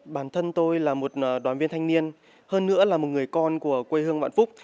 bản thân tôi là một đoàn viên thanh niên hơn nữa là một người con của quê hương vạn phúc